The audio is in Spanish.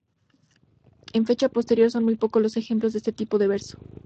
En fecha posterior, son muy pocos los ejemplos de este tipo de verso.